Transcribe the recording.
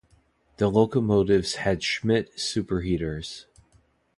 The locomotives had Schmidt superheaters.